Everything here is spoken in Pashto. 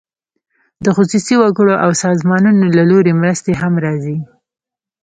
د خصوصي وګړو او سازمانونو له لوري مرستې هم راځي.